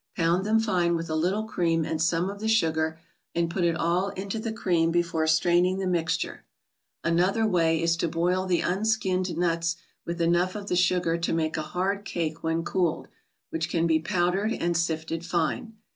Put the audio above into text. Pound them fine with a little cream and some of the sugar, and put it all into the 22 THE BOOK OF ICES. cream before straining the mixture. Another Way is to boil the unskinned nuts with enough of the sugar to make a hard cake when cooled, which can be powdered and sifted fine.